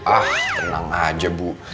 ah tenang aja bu